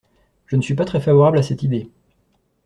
Je ne suis pas très favorable à cette idée.